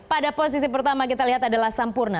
pada posisi pertama kita lihat adalah sampurna